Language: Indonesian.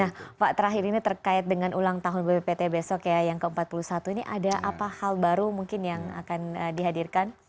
nah pak terakhir ini terkait dengan ulang tahun bppt besok ya yang ke empat puluh satu ini ada apa hal baru mungkin yang akan dihadirkan